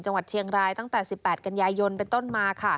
จังหวัดเชียงรายตั้ง๑๘กัญญายนเต็มต้นมา